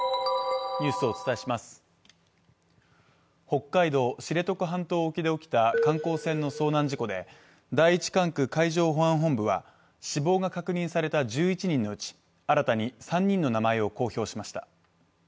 北海道知床半島沖で起きた観光船の遭難事故で、第一管区海上保安部は死亡が確認された１１人のうち新たに３人の名前を公表しました。